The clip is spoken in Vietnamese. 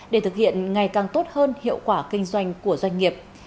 để thực hiện ngày càng tốt hơn hiệu quả kinh doanh của doanh nghiệp